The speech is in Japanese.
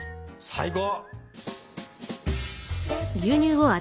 最高！